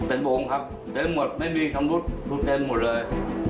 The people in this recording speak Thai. เต็มองค์ครับเต็มหมดไม่มีชำรุดคือเต็มหมดเลย